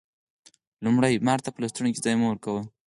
لومړی: مار ته په لستوڼي کی ځای مه ورکوه